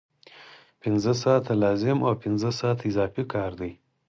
پنځه ساعته لازم او پنځه ساعته اضافي کار دی